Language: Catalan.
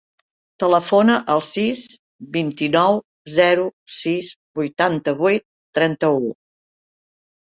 Telefona al sis, vint-i-nou, zero, sis, vuitanta-vuit, trenta-u.